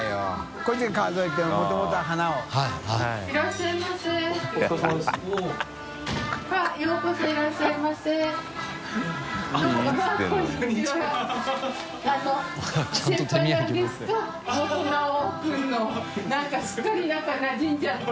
晃子さん）なんかすっかりなじんじゃって。